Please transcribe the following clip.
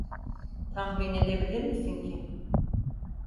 Tahmin edebilir misin ki.